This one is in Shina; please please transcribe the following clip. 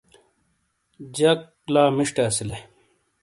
جک لا مشٹے اسیلے۔